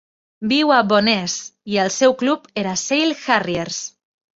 Viu a Bo'ness i el seu club era Sale Harriers.